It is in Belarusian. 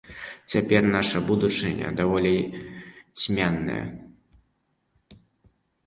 Цяпер наша будучыня даволі цьмяная.